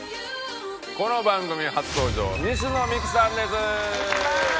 この番組初登場西野未姫さんです。